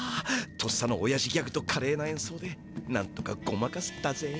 とっさのおやじギャグとかれいなえんそうでなんとかごまかせたぜ。